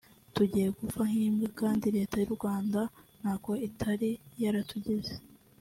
tugiye gupfa nk’imbwa kandi Leta y’u Rwanda ntako itari yaratugize